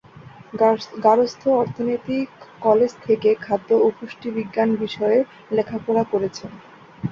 গার্হস্থ্য অর্থনীতি কলেজ থেকে 'খাদ্য ও পুষ্টি বিজ্ঞান' বিষয়ে লেখাপড়া করেছেন।